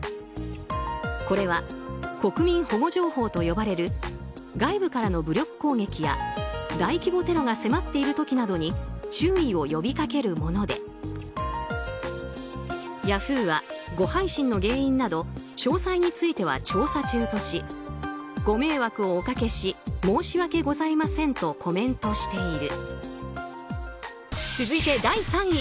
これは、国民保護情報と呼ばれる外部からの武力攻撃や大規模テロが迫っている時などに注意を呼びかけるものでヤフーは誤配信の原因など詳細については調査中としご迷惑をおかけし申し訳ございませんとコメントしている。